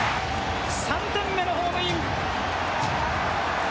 ３点目のホームイン！